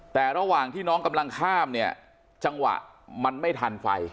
แต่ระหว่างที่น้องกำลังข้ามเนี่ยจังหวะมันไม่ทันไฟ